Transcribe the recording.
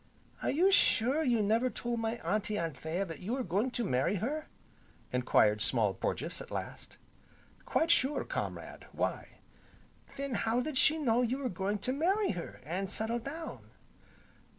"Are you quite sure you never told my Auntie Anthea that you were going to marry her?" enquired Small Porges, at last. "Quite sure, comrade, why?" "Then how did she know you were going to marry her, an' settle down?"